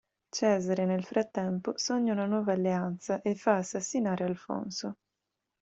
Cesare, nel frattempo, sogna una nuova alleanza e fa assassinare Alfonso.